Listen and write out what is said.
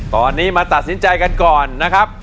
ตอนนี้มาตัดสินใจกันก่อนนะครับ